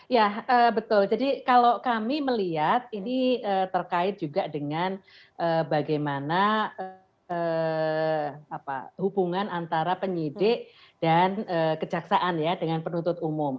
ya betul jadi kalau kami melihat ini terkait juga dengan bagaimana hubungan antara penyidik dan kejaksaan ya dengan penuntut umum